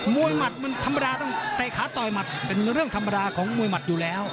หมัดมันธรรมดาต้องเตะขาต่อยหมัดเป็นเรื่องธรรมดาของมวยหมัดอยู่แล้ว